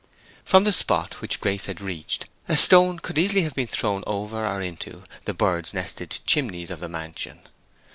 From the spot which Grace had reached a stone could easily have been thrown over or into, the birds' nested chimneys of the mansion.